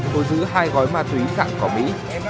cô giữ hai gói ma túy sạng cỏ mỹ